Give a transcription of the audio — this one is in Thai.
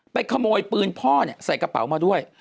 ไปขโมยปืนพ่อเนี่ยใส่กระเป๋ามาด้วย